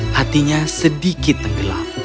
hatinya sedikit tenggelam